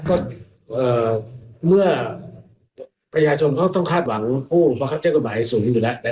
ก็เมื่อประหยาชนเขาต้องคาดหวังผู้บังคับเจ้ากระบายสูงอยู่แล้ว